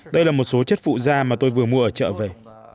đây là một số chất phụ da mà tôi vừa mua ở chợ về